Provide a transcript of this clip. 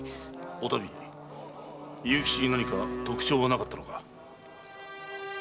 おたみ勇吉に何か特徴はなかったのか？